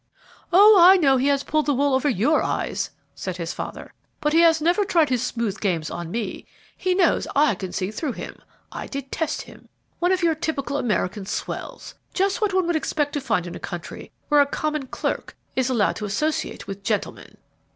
"Oh, I know he has pulled the wool over your eyes," said his father; "but he has never tried his smooth games on me; he knows I can see through him. I detest him. One of your typical American swells! Just what one would expect to find in a country where a common clerk is allowed to associate with gentlemen!"